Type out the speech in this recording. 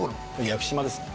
屋久島ですね。